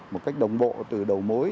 một cách đồng bộ từ đầu mối